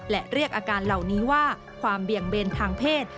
และเรียกอาการเหล่านี้ว่าความเบี่ยงเบนทางเพศ